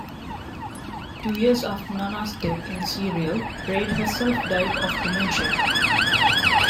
Two years after Nana's death in the serial, Braid herself died of dementia.